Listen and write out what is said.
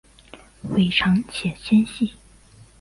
尾长且纤细。